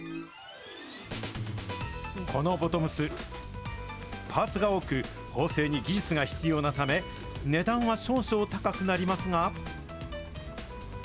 このボトムス、パーツが多く、縫製に技術が必要なため、値段は少々高くなりますが。